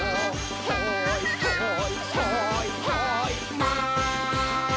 「はいはいはいはいマン」